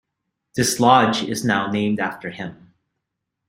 This Lodge is now named after him.